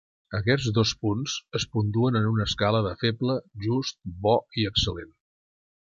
Aquests dos punts es puntuen en una escala de "feble", "just", "bo" i "excel·lent".